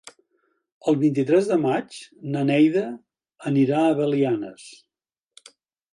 El vint-i-tres de maig na Neida anirà a Belianes.